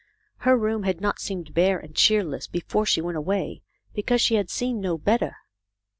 Her room had not seemed bare and cheerless before she went away, because she had seen no better.